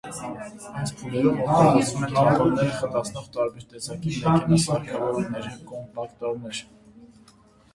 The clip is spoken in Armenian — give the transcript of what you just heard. Այս փուլերում օգտագործվում են թափոնները խտացնող տարբեր տեսակի մեքենասարքավորումներ՝ կոմպակտորներ։